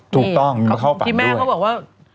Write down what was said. ถูกต้องมีมาเข้าฝังด้วยพี่แม่เขาบอกว่า